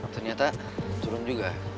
ternyata turun juga